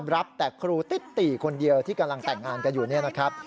รับแต่ครูติคนเดียวที่กำลังแต่งงานกันอยู่เนี่ยนะครับ